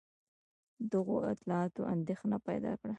دغو اطلاعاتو اندېښنه پیدا کړه.